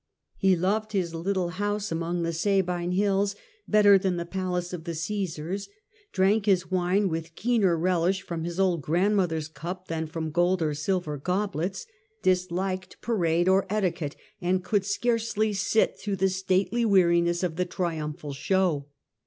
He loved his little house among the Sabine hills better than the palace of the Caesars ; drank his wine with keener relish from his old grandmother^s cup than from gold or silver goblets; disliked parade or etiquette, and could scarcely sit through the stately weariness of the triumphal show.